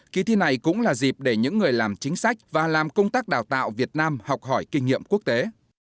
kỳ thi này cũng là dịp để những người làm chính sách và làm công tác đào tạo việt nam học hỏi kinh nghiệm quốc tế